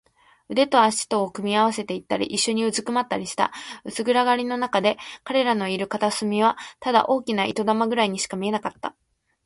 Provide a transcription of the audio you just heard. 腕と脚とを組み合わせたり、いっしょにうずくまったりした。薄暗がりのなかで、彼らのいる片隅はただ大きな糸玉ぐらいにしか見えなかった。